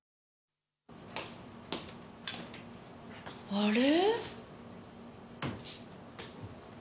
あれ？